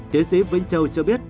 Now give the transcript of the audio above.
tiến sĩ vinh châu cho biết